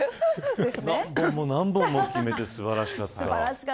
何本も決めて素晴らしかった。